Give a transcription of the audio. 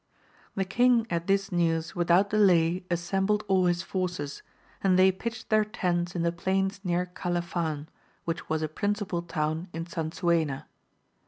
The king at this news without delay assembled all his forces, and they pitched their tents in the plains near Califan, which was a principal town in Sansuena.